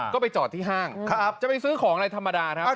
ก็ไปจอดที่ห้างจะไปซื้อของอะไรธรรมดาครับ